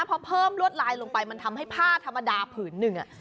พอเพิ่มลวดลายลงไปมันทำให้ผ้าธรรมดาผืนหนึ่ง